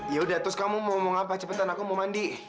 yaudah terus kamu mau apa cepetan aku mau mandi